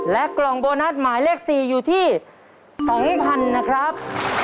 กล่องโบนัสหมายเลข๔อยู่ที่๒๐๐๐นะครับ